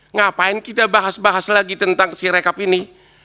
ngapain kita bahas bahas lagi tentang si rekap ini